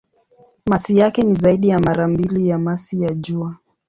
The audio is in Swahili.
Masi yake ni zaidi ya mara mbili ya masi ya Jua.